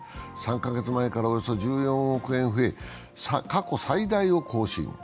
３カ月前からおよそ１４億円増え過去最大を更新。